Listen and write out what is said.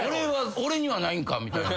俺にはないんかみたいな。